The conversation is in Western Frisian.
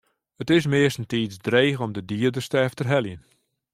It is meastentiids dreech om de dieders te efterheljen.